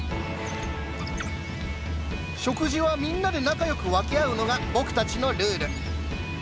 食事はみんなで仲よく分け合うのが僕たちのルール。